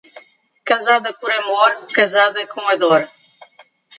Casada por amor, casada com a dor.